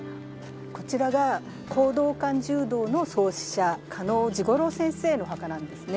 こちらが講道館柔道の創始者嘉納治五郎先生のお墓なんですね。